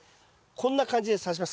こんな感じでさします。